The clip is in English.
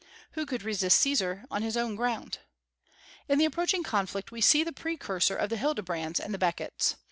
Who could resist Caesar on his own ground? In the approaching conflict we see the precursor of the Hildebrands and the Beckets.